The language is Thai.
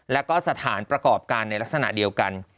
แล้วก็สถานประกอบการในลักษณะเดียวกัน